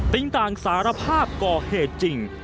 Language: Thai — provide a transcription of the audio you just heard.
ติ้งต่างสารภาพก็เหตุจริง